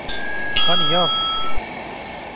Hani yahu?